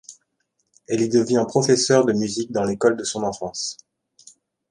Elle y devient professeure de musique dans l'école de son enfance.